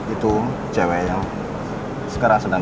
itu cewek yang sekarang sedang